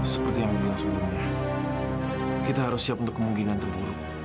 seperti yang bilang sebenarnya kita harus siap untuk kemungkinan terburuk